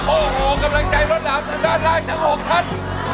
โอ้โฮกำลังใจรถหลับจนด้านล่างทั้ง๖ทัน